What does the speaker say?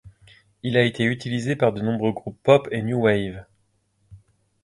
Il a été utilisé par de nombreux groupes pop et new wave.